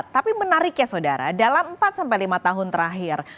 tapi menarik ya saudara dalam empat sampai lima tahun terakhir